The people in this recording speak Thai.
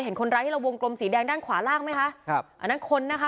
เห็นคนร้ายที่เราวงกลมสีแดงด้านขวาล่างไหมคะครับอันนั้นคนนะคะ